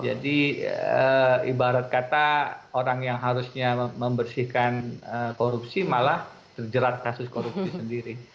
jadi ibarat kata orang yang harusnya membersihkan korupsi malah terjerat kasus korupsi sendiri